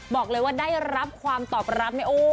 บอกเลยว่าได้รับความตอบรับนะโอ้